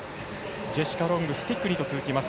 ジェシカ・ロングスティックニーと続きます。